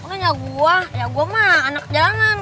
oh kan ya gua ya gua mah anak jalanan